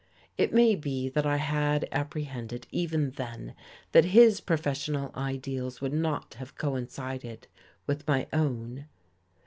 It may be that I had apprehended even then that his professional ideals would not have coincided with my own.